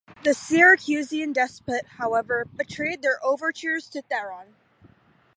The Syracusan despot, however, betrayed their overtures to Theron.